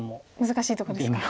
難しいとこですか。